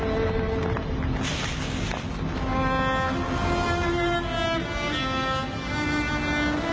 เอามาเปิดให้ดูครับ